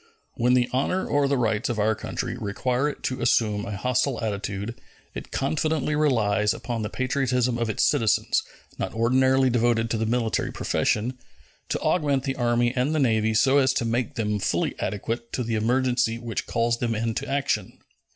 When the honor or the rights of our country require it to assume a hostile attitude, it confidently relies upon the patriotism of its citizens, not ordinarily devoted to the military profession, to augment the Army and the Navy so as to make them fully adequate to the emergency which calls them into action.